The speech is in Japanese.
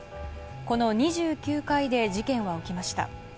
この２９階で事件は起きました。